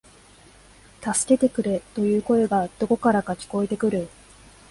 助けてくれ、という声がどこからか聞こえてくる